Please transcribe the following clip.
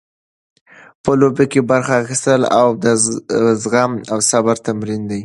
په لوبو کې برخه اخیستل د زغم او صبر تمرین دی.